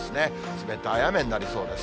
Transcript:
冷たい雨になりそうです。